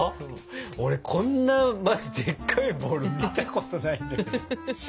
俺こんなまずでっかいボウル見たことないんだけど。